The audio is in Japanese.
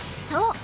そう。